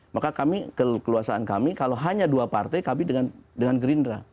maka kami keluasaan kami kalau hanya dua partai kami dengan gerindra